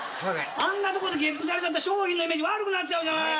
あんなとこでげっぷされちゃったら商品のイメージ悪くなっちゃうじゃない。